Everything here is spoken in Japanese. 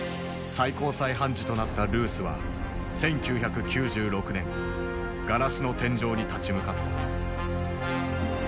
最高裁判事となったルースは１９９６年ガラスの天井に立ち向かった。